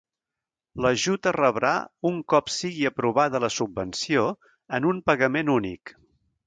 L'ajut es rebrà un cop sigui aprovada la subvenció en un pagament únic.